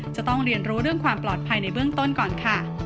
จะต้องเรียนรู้เรื่องความปลอดภัยในเบื้องต้นก่อนค่ะ